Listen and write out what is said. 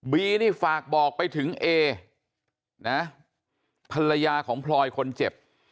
นี่ฝากบอกไปถึงเอนะภรรยาของพลอยคนเจ็บ